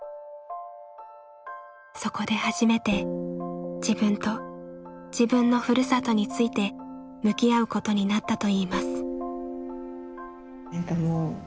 そこで初めて自分と自分の故郷について向き合うことになったといいます。